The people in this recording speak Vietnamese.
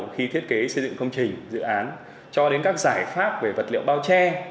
khi thiết kế xây dựng công trình dự án cho đến các giải pháp về vật liệu bao che